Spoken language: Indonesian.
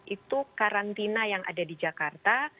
itu karantina yang ada di jakarta